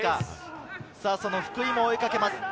その福井も追いかけます。